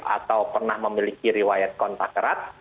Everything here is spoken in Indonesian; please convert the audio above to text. atau pernah memiliki riwayat kontak erat